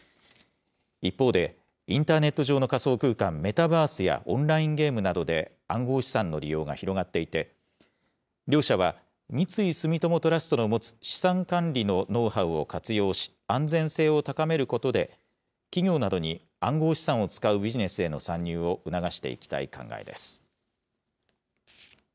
一方で、インターネット上の仮想空間、メタバースやオンラインゲームなどで暗号資産の利用が広がっていて、両社は三井住友トラストの持つ資産管理のノウハウを活用し、安全性を高めることで、企業などに暗号資産を使うビジネスへの参入を促していきたい考えです。